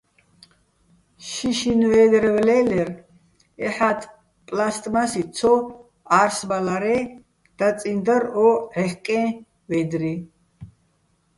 შიშინ ვე́დრევ ლე́ლერ, ეჰ̦ა́თ პლასტმასი ცო ა́რსბალარე, დაწიჼ დარ ო ჺეჰკეჼ ვე́დრი.